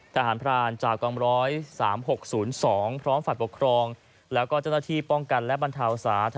ทหารพรานจากกองร้อย๓๖๐๒พร้อมฝ่ายปกครองแล้วก็เจ้าหน้าที่ป้องกันและบรรเทาสาธารณ